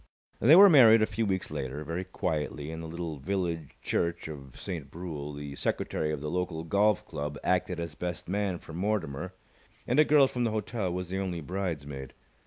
They were married a few weeks later, very quietly, in the little village church of Saint Brule. The secretary of the local golf club acted as best man for Mortimer, and a girl from the hotel was the only bridesmaid.